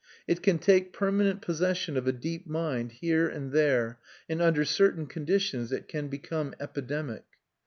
It can take permanent possession of a deep mind here and there, and under certain conditions it can become epidemic.